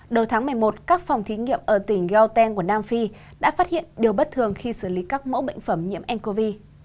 đầu tháng một mươi một các phòng thí nghiệm ở tỉnh gelten của nam phi đã phát hiện điều bất thường khi xử lý các mẫu bệnh phẩm nhiễm ncov